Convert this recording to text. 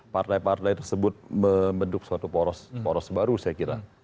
partai partai tersebut membentuk suatu poros baru saya kira